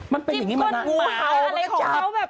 มันเป็นอย่างนี้มานานจิ้บก้นหัวอะไรของเขาแบบ